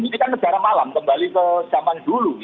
ini kan negara malam kembali ke zaman dulu